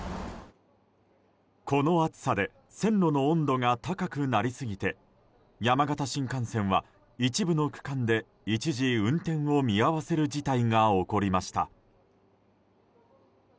この暑さで線路の温度が高くなりすぎて山形新幹線は一部の区間で一時運転を見合わせる事態が起こりました。